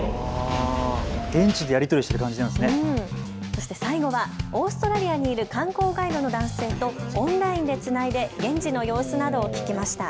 そして最後はオーストラリアにいる観光ガイドの男性とオンラインでつないで現地の様子などを聞きました。